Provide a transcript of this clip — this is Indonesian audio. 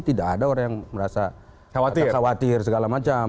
tidak ada orang yang merasa khawatir segala macam